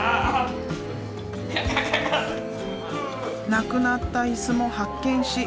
なくなった椅子も発見し